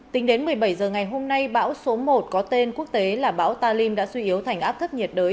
tính đến một mươi bảy h ngày hôm nay bão số một có tên quốc tế là bão talim đã suy yếu thành áp thấp nhiệt đới